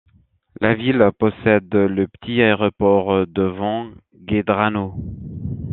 La ville possède le petit aéroport de Vangaindrano.